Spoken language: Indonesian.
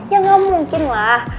ya gak mungkin lah